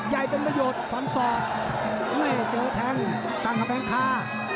ใหญ่เป็นประโยชน์ความศอกแม่เจอแทงตั้งกำแพงคา